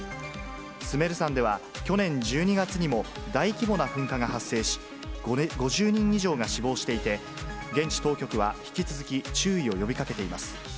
スメル山では去年１２月にも、大規模な噴火が発生し、５０人以上が死亡していて、現地当局は引き続き、注意を呼びかけています。